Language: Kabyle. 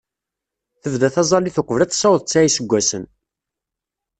Tebda taẓẓalit uqbel ad tessaweḍ tesɛa n yiseggasen.